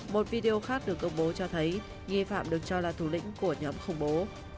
một video khác được công bố cho thấy nghi phạm được cho là thủ lĩnh của nhóm khủng bố